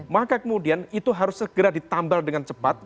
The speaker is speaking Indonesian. maka kemudian itu harus segera ditambal dengan cepat